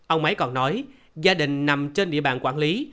ông ấy còn nói gia đình nằm trên địa bàn quảng hướng